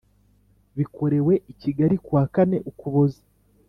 Bikorewe i Kigali kuwa kane Ukuboza